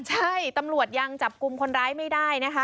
ใช่ตำรวจยังจับกลุ่มคนร้ายไม่ได้นะคะ